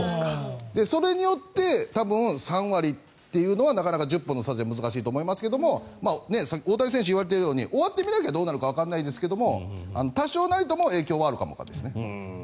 それによって多分、３割というのはなかなか１０本の差じゃ難しいと思いますけれど大谷選手が言われているように終わってみないとどうなるかわかりませんが多少なりとも影響はあるかもわからないですね。